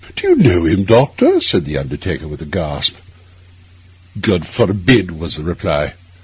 'Do you know him, Doctor?' asked the undertaker, with a gasp. 'God forbid!' was the reply.